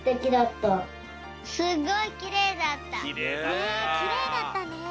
ねっきれいだったね。